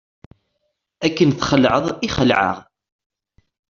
Akken txelɛeḍ i xelɛeɣ.